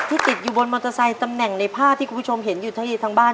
ติดอยู่บนมอเตอร์ไซค์ตำแหน่งในภาพที่คุณผู้ชมเห็นอยู่ที่ทางบ้าน